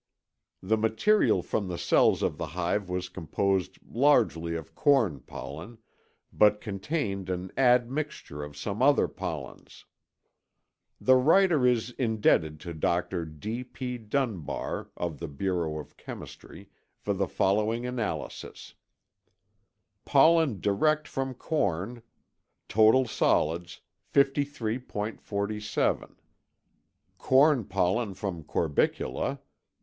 The material from the cells of the hive was composed largely of corn pollen, but contained an admixture of some other pollens. The writer is indebted to Dr. P. B. Dunbar, of the Bureau of Chemistry, for the following analyses: Pollen Corn pollen Stored direct from pollen from corbicula. from corn. hive.